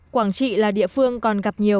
quảng trị là địa phương còn gặp nhiều